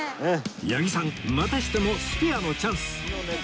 八木さんまたしてもスペアのチャンス